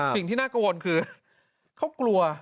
สิ่งที่น่ากังวลคือเขากลัว